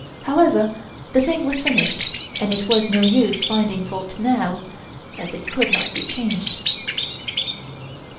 However, the thing was finished and it was no use finding fault now, as it could not be changed.